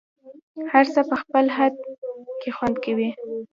هر څه په خپل خد کي خوند کوي